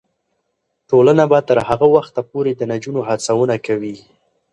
ټولنه به تر هغه وخته پورې د نجونو هڅونه کوي.